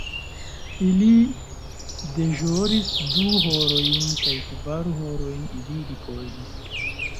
Ili deĵoris du horojn kaj kvar horojn ili ripozis.